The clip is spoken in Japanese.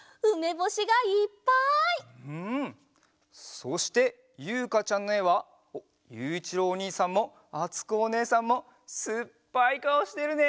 そしてゆうかちゃんのえはゆういちろうおにいさんもあつこおねえさんもすっぱいかおしてるね！